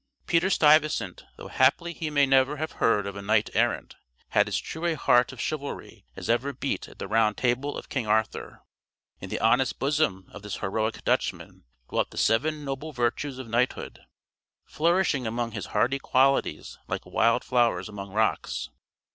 Peter Stuyvesant, though haply he may never have heard of a knight errant, had as true a heart of chivalry as ever beat at the round table of King Arthur. In the honest bosom of this heroic Dutchman dwelt the seven noble virtues of knighthood, flourishing among his hardy qualities like wild flowers among rocks.